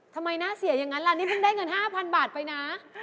ทำไมน่าเสียอย่างนั้นล่ะนี่เพิ่งได้เงิน๕๐๐๐บาทไปนะ